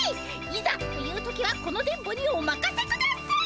いざという時はこの電ボにおまかせください！